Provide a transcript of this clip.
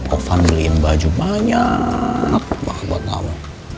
ofan beliin baju banyak banget buat kamu